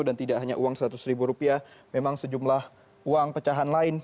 dan tidak hanya uang seratus ribu rupiah memang sejumlah uang pecahan lain